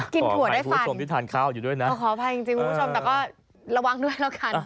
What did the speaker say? ถั่วได้คุณผู้ชมที่ทานข้าวอยู่ด้วยนะขออภัยจริงคุณผู้ชมแต่ก็ระวังด้วยแล้วกัน